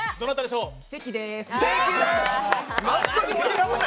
関でーす。